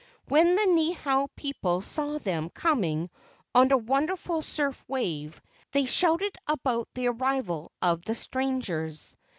When the Niihau people saw them coming on a wonderful surf wave, they shouted about the arrival of the strangers.